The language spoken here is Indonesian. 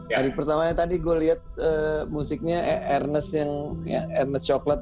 dari pertamanya tadi gue lihat musiknya ernest coklat